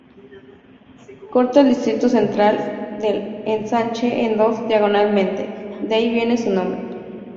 Corta el distrito central del Ensanche en dos diagonalmente, de ahí viene su nombre.